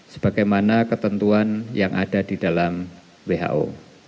sebagaimana ketentuan yang ada di dalam who